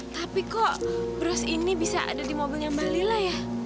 tapi kok bros ini bisa ada di mobilnya mbak lila ya